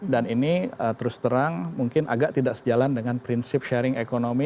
dan ini terus terang mungkin agak tidak sejalan dengan prinsip sharing ekonomi